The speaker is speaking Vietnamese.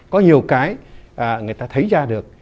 có nhiều cái người ta thấy ra được